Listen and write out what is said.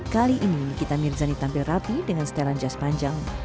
kali ini nikita mirzani tampil rapi dengan setelan jas panjang